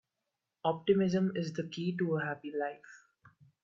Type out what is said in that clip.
Optimism is the key to a happy life.